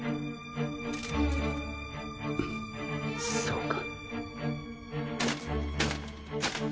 そうか。